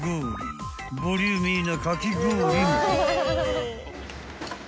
［ボリューミーなかき氷も］